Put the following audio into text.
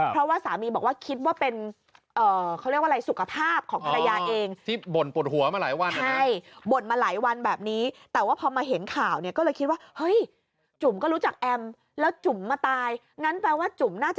เพราะว่าสามีบอกว่าคิดว่าเป็นเขาเรียกว่าอะไรสุขภาพของภรรยาเอง